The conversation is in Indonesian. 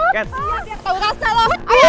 kau rasa lo